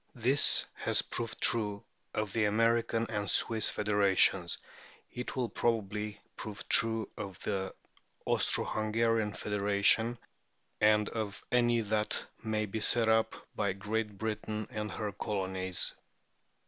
" This has proved true of the American and Swiss federations; it will probably prove true of the Austro Hungarian federation and of any that may be set up by Great Britian [Transcriber: sic.] and her colonies.